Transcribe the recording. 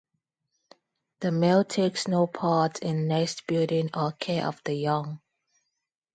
The male takes no part in nest building or care of the young.